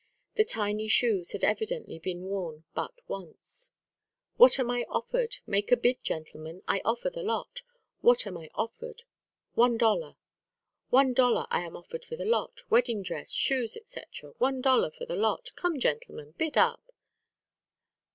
The tiny shoes had evidently been worn but once. "What am I offered? Make a bid, gentlemen. I offer the lot. What am I offered?" "One dollar." "One dollar I am offered for the lot wedding dress, shoes, etc. One dollar for the lot. Come gentlemen, bid up."